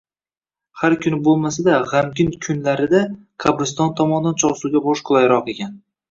har kuni bo'lmasa-da, g'amgin qunlarida «qabriston tomondan Chorsuga borish kulayroq ekan»